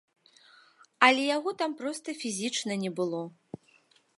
Але яго там проста фізічна не было!